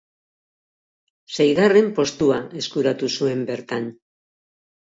Seigarren postua eskuratu zuen bertan.